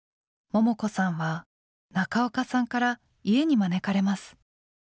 ももこさんは中岡さんから家に招かれます。